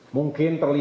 yang terhadap mereka